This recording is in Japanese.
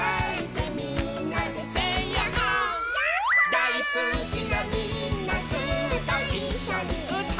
「だいすきなみんなずっといっしょにうたおう」